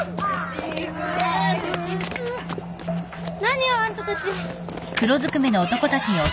何よあんたたち